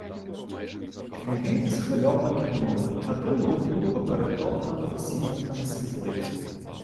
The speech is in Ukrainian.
Княгиня схвильовано кивнула, й Гатило гукнув у перетоптану весільниками світлицю: